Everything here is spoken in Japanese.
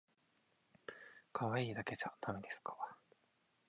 かわいいだけじゃだめですか